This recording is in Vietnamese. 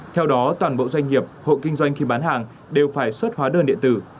theo đó toàn bộ doanh nghiệp hộ kinh doanh khi bán hàng đều phải xuất hóa đơn điện tử